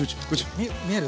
見える？